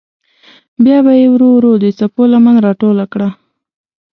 بیا به یې ورو ورو د څپو لمن راټوله کړه.